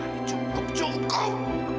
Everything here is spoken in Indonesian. tadi cukup cukup